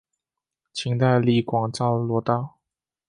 清代隶广肇罗道。